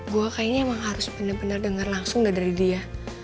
gue kayaknya emang harus benar benar dengar langsung dari dia